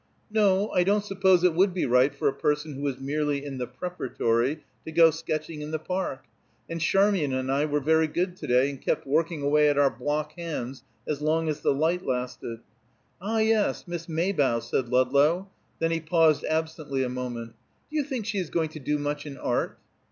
"No, I don't suppose it would be right for a person who was merely in the Preparatory to go sketching in the Park. And Charmian and I were very good to day, and kept working away at our block hands as long as the light lasted." "Ah, yes; Miss Maybough," said Ludlow; then he paused absently a moment. "Do you think she is going to do much in art?"